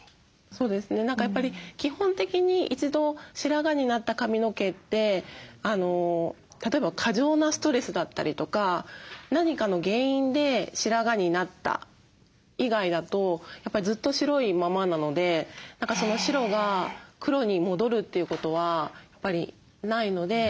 そうですね何かやっぱり基本的に一度白髪になった髪の毛って例えば過剰なストレスだったりとか何かの原因で白髪になった以外だとやっぱずっと白いままなので何かその白が黒に戻るということはやっぱりないので。